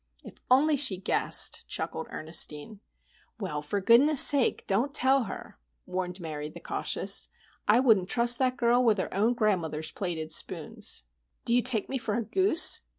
"If only she guessed!" chuckled Ernestine. "Well, for goodness' sake don't tell her!" warned Mary, the cautious. "I wouldn't trust that girl with her own grandmother's plated spoons." "Do you take me for a goose?"